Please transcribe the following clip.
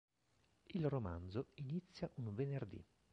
Il romanzo inizia un Venerdì.